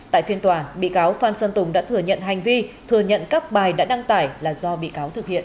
tại phiên tòa bị cáo phan xuân tùng đã thừa nhận hành vi thừa nhận các bài đã đăng tải là do bị cáo thực hiện